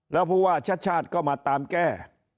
แล้วผู้ว่าชัดก็มาตามแก้